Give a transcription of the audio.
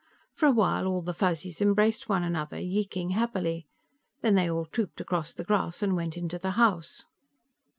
For a while, all the Fuzzies embraced one another, yeeking happily. Then they all trooped across the grass and went into the house.